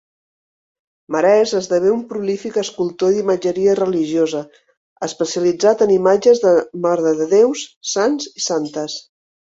Marès esdevé un prolífic escultor d'imatgeria religiosa, especialitzat en imatges de marededéus, sants i santes.